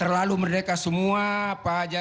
terlalu merdeka semua apa aja